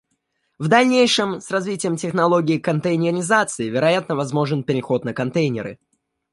В дальнейшем, с развитием технологии контейнеризации, вероятно, возможен переход на контейнеры